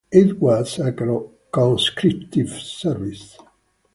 It was a conscriptive service.